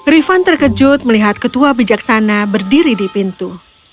rifan terkejut melihat ketua bijaksana berdiri di pintu